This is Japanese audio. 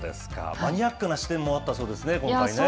マニアックな視点もあったようですね。